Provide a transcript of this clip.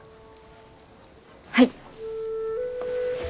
はい！